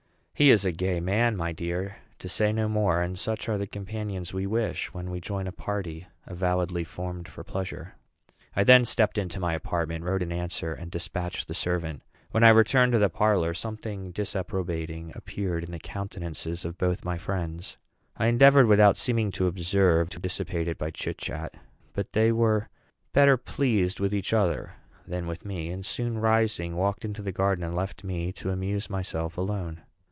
"He is a gay man, my dear, to say no more; and such are the companions we wish when we join a party avowedly formed for pleasure." I then stepped into my apartment, wrote an answer, and despatched the servant. When I returned to the parlor, something disapprobating appeared in the countenances of both my friends. I endeavored, without seeming to observe, to dissipate it by chitchat; but they were better pleased with each other than with me, and, soon rising, walked into the garden, and left me to amuse myself alone.